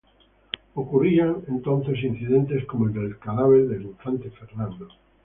Ocurrían entonces incidentes como el del cadáver del infante Fernando.